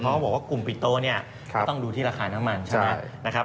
เพราะว่าว่าคลุ่มปิดโตนี่ต้องดูที่ราคาน้ำมันใช่ไหม